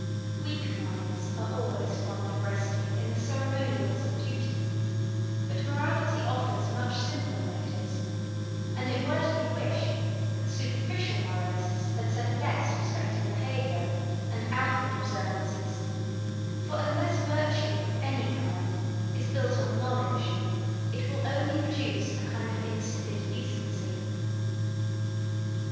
Weak minds are always fond of resting in the ceremonials of duty, but morality offers much simpler motives; and it were to be wished that superficial moralists had said less respecting behaviour, and outward observances, for unless virtue, of any kind, is built on knowledge, it will only produce a kind of insipid decency.